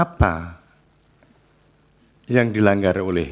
apa yang dilanggar oleh